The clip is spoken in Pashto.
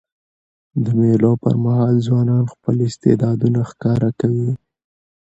د مېلو پر مهال ځوانان خپل استعدادونه ښکاره کوي.